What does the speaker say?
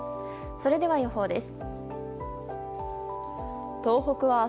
それでは予報です。